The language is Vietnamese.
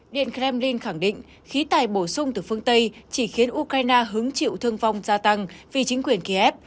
điện kremlin khẳng định khí tài bổ sung từ phương tây chỉ khiến ukraine hứng chịu thương vong gia tăng vì chính quyền kiev